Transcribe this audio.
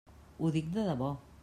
Ho dic de debò.